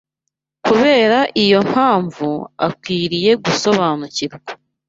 Kubera iyo mpamvu, akwiriye gusobanukirwa